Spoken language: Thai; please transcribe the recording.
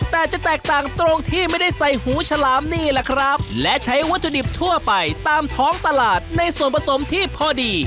แต่จะแตกต่างตรงที่ไม่ได้ใส่หูฉลามนี่แหละครับและใช้วัตถุดิบทั่วไปตามท้องตลาดในส่วนผสมที่พอดี